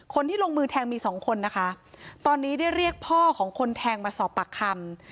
คนที่ลงมือแทงมีสองคนนะคะตอนนี้ได้เรียกพ่อของคนแทงมาสอบปากคำ